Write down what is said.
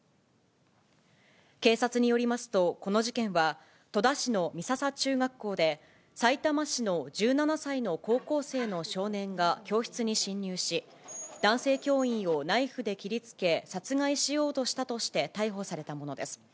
警察によりますと、この事件は、戸田市の美笹中学校で、さいたま市の１７歳の高校生の少年が教室に侵入し、男性教員をナイフで切りつけ、殺害しようとしたとして逮捕されたものです。